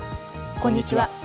こんにちは。